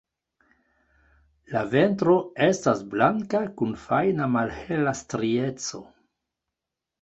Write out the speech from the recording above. La ventro estas blanka kun fajna malhela strieco.